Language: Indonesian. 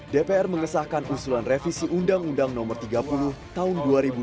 dpr mengesahkan usulan revisi undang undang no tiga puluh tahun dua ribu dua